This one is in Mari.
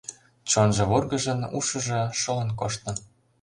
Чонжо вургыжын, ушыжо шолын коштын.